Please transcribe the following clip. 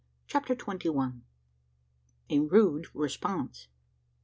CHAPTER TWENTY ONE. A RUDE RESPONSE.